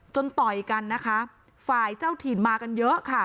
ต่อยกันนะคะฝ่ายเจ้าถิ่นมากันเยอะค่ะ